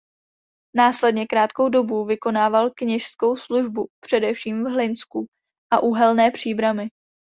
Následně krátkou dobu vykonával kněžskou službu především v Hlinsku a Uhelné Příbrami.